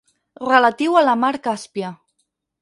Relatiu a la mar Càspia.